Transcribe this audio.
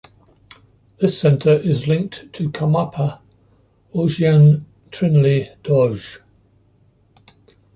This center is linked to Karmapa, Orgyen Trinley Dorje.